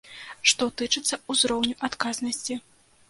Што тычыцца ўзроўню адказнасці.